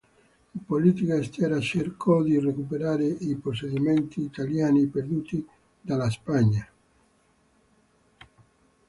In politica estera cercò di recuperare i possedimenti italiani perduti dalla Spagna.